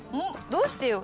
どうしてよ？